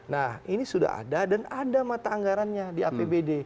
nah ini sudah ada dan ada mata anggarannya di apbd